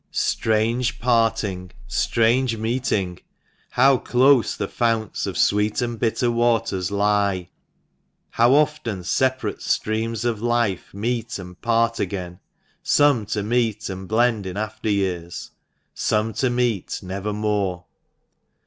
Strange parting, strange meeting ! How close the founts of sweet and bitter waters lie ! How often separate streams of life 38 THE MANCHESTER MAN. meet and part again ; some to meet and blend in after years, some to meet never more!